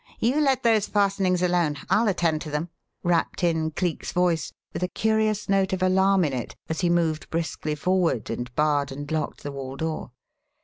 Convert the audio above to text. You let those fastenings alone. I'll attend to them!" rapped in Cleek's voice with a curious note of alarm in it, as he moved briskly forward and barred and locked the wall door.